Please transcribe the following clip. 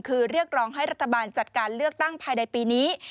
คือเรียกร้องให้รัฐบาลจัดการเลือกตั้งภายในปีนี้